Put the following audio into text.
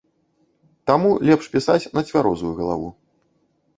Таму лепш пісаць на цвярозую галаву.